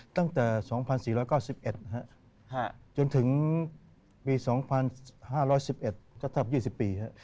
ตั้งแต่๒๔๙๑จนถึงปี๒๕๑๑ก็แทบ๒๐ปี